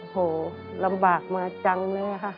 โหลำบากมาจังเลยค่ะ